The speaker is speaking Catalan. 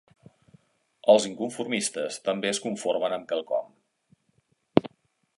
Els inconformistes també es conformen amb quelcom.